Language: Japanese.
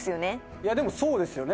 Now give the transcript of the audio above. いやでもそうですよね